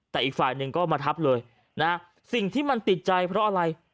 แต่อีกฝ่ายหนึ่งก็มาทับเลยนะสิ่งที่มันติดใจเพราะอะไร